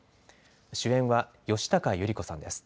主演は吉高由里子さんです。